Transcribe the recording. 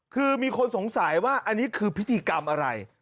คือมีคนสงสัยว่าอันนี้คือพิธีกรรมอะไร